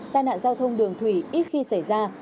tai nạn giao thông đường thủy ít khi xảy ra